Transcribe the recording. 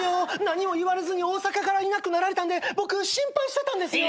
何も言われずに大阪からいなくなられたんで僕心配してたんですよ。